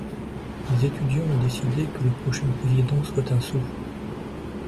Les étudiants ont décidé que le prochain président soit un sourd.